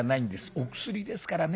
お薬ですからね。